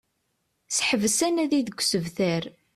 Seḥbes anadi deg usebter